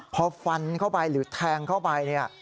พอฟันเข้าไปหรือแทงเข้าไปเนี่ย